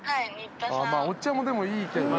お茶もでもいいけどね。